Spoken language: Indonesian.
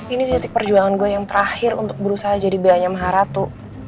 ini titik perjuangan gue yang terakhir untuk berusaha jadi beanya maharatu